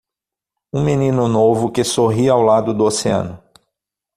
Um menino novo que sorri ao lado do oceano.